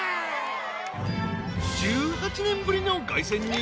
［１８年ぶりの凱旋に］